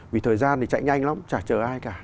vì thời gian thì chạy nhanh lắm chả chở ai cả